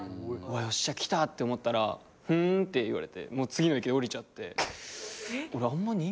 よっしゃ来たって思ったら「ふん」って言われてもう次の駅で降りちゃって。